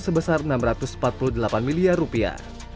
sebesar enam ratus empat puluh delapan miliar rupiah